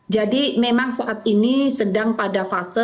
jadi memang saat ini sedang pada fase